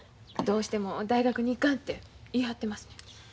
どうしても大学に行かんて言い張ってますねん。